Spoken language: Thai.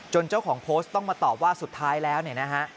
เจ้าของโพสต์ต้องมาตอบว่าสุดท้ายแล้วเนี่ยนะฮะ